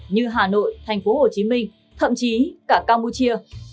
như hà nội tp hcm thậm chí cả campuchia